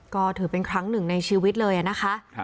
ก็ถือเป็นครั้งหนึ่งในชีวิตเลยนะคะ